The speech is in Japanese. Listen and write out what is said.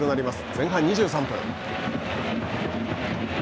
前半２３分。